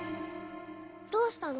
どうしたの？